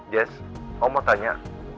jess om mau tanya